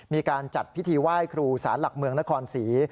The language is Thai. มีการจัดพิธีไหว้ครูสารหลักเมืองนครศรี